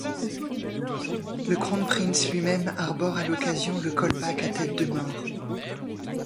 Le Kronprinz lui-même arbore à l'occasion le colback à tête de mort.